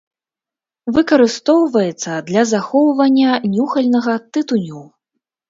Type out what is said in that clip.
Выкарыстоўваецца для захоўвання нюхальнага тытуню.